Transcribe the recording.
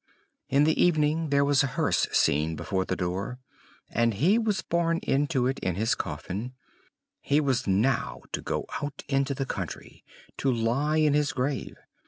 In the evening there was a hearse seen before the door, and he was borne into it in his coffin: he was now to go out into the country, to lie in his grave.